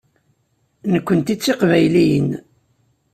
Nekkenti d Tiqbayliyin.